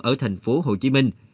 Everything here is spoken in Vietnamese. ở thành phố hồ chí minh